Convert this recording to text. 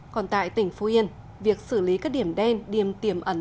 còn tại tỉnh phú yên việc xử lý các điểm đen điểm tiềm ẩn